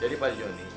jadi pak jonny